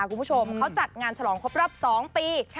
เขาจัดงานฉลองครบรับ๒ปี